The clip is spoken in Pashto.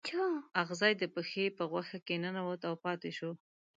اغزی د پښې په غوښه کې ننوت او پاتې شو.